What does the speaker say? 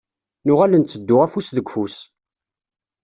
Nuɣal ntteddu afus deg ufus.